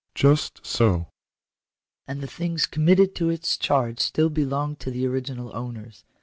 " Just so." " And the things committed to its charge still belong to the original owners.